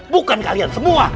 bukan kalian semua